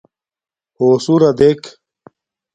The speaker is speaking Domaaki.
ہݸسُرݳ دݵک.